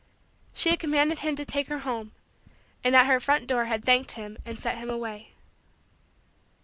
She had commanded him to take her home and at her front door had thanked him and sent him away.